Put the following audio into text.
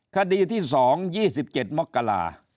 คดีที่๒มกรา๒๗